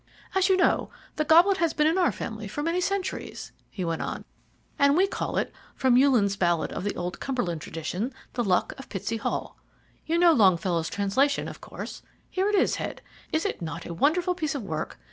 "As you know, the goblet has been in our family for many centuries," he went on, "and we call it, from Uhland's ballad of the old Cumberland tradition, 'The Luck of Pitsey Hall.' You know Longfellow's translation, of course? Here it is, Head. Is it not a wonderful piece of work?